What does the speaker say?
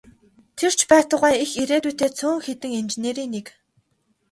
Тэр ч байтугай их ирээдүйтэй цөөн хэдэн инженерийн нэг.